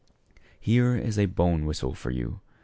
Here is a bone whistle for you.